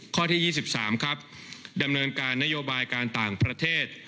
ข้อที่๒๓ครับดำเนินการนโยบายการต่างประเทศ